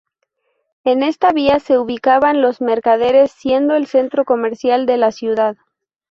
En esta vía se ubicaban los mercaderes, siendo el centro comercial de la ciudad.